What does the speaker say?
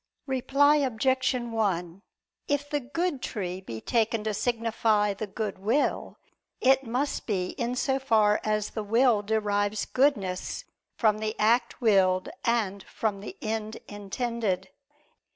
Reply Obj. 1: If the good tree be taken to signify the good will, it must be in so far as the will derives goodness from the act willed and from the end intended.